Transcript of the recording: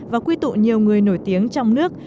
và quy tụ nhiều người nổi tiếng trong nước